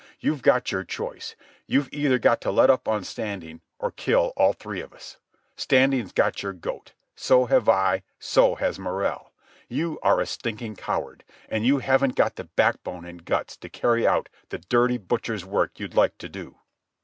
You've got your choice. You've either got to let up on Standing or kill all three of us. Standing's got your goat. So have I. So has Morrell. You are a stinking coward, and you haven't got the backbone and guts to carry out the dirty butcher's work you'd like to do."